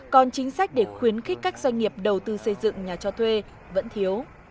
còn chính sách để khuyến khích các doanh nghiệp đầu tư xây dựng nhà cho thuê vẫn thiếu